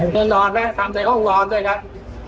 ต้องไปนอนอะทำใส่โรงร้อนด้วยครับ